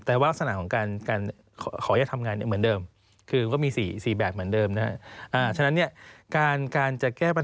การเอาพรากรไปบังคับใช้และไปบังคับจัดการ